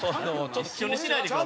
一緒にしないでください。